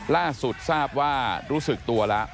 ล่าสุดทราบว่ารู้สึกตัวแล้ว